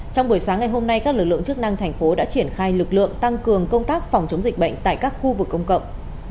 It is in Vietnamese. trong buổi sáng ngày hôm nay các lực lượng chức năng thành phố đã triển khai lực lượng tăng cường công tác phòng chống dịch bệnh tại các khu vực công cộng